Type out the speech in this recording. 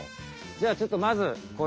じゃあちょっとまずわ！